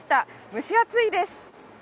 蒸し暑いです。